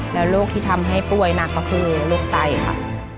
แล้วโรคที่ทำให้ป่วยหนักก็คือโรคไตค่ะ